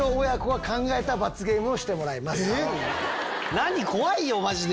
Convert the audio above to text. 何⁉怖いよマジで。